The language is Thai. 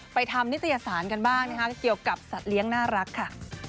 ไปทำนิตยสารกันบ้างนะคะเกี่ยวกับสัตว์เลี้ยงน่ารักค่ะ